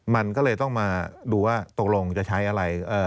มันก็เลยต้องมาดูว่าตกลงจะใช้อะไร